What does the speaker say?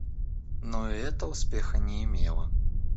Но и это успеха не имело.